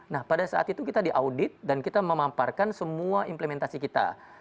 nah pada saat itu kita diaudit dan kita memamparkan semua implementasi kita